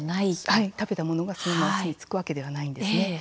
はい、食べたものがそのまますみつくわけではないんですね。